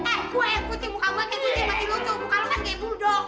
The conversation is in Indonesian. masih loco bukan reman kayak buldo